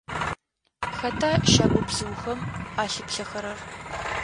Хэта щагубзыухэм алъыплъэхэрэр?